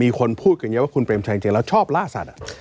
มีคนพูดอย่างนี้ว่าคุณเปรมชัยจริงแล้วชอบล่าสัตว์อ่ะ